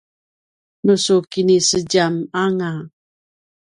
nu su kinisedjam anga